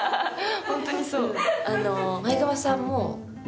ホントにそう。